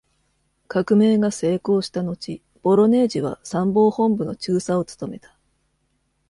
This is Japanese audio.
革命が成功した後、ボロネージは参謀本部の中佐を務めた。